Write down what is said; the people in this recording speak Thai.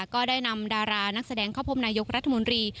ก็ได้นำดารานักแสดงเข้าพบนายกรัฐมนตรี